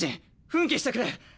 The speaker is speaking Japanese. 奮起してくれ。